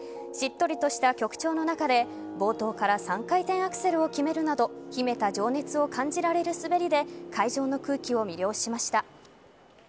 しっとりとした曲調の中で冒頭から３回転アクセルを決めるなど秘めた情熱を感じられる滑りで会場の空気を魅了しました。